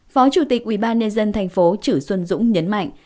phó chủ tịch ubnd tp chử xuân dũng nhấn mạnh